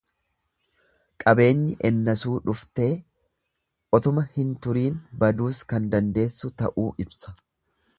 Qabeenyi ennasuu dhuftee otuma hin tuuriin baduus kan dandeessu ta'uu ibsa.